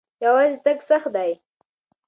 یوازې تګ سخت دی.